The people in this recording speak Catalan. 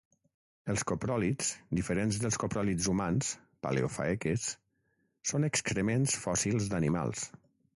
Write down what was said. Els copròlits, diferents dels copròlits humans (paleofaeces) són excrements fòssils d'animals.